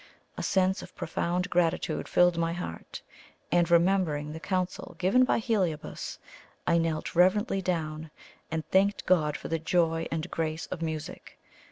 A sense of profound gratitude filled my heart, and, remembering the counsel given by Heliobas, I knelt reverently down and thanked God for the joy and grace of music.